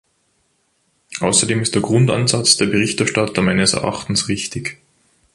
Außerdem ist der Grundansatz der Berichterstatter meines Erachtens richtig.